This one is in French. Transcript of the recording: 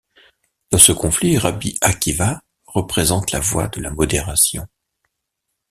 Dans ce conflit, Rabbi Akiva représente la voie de la modération.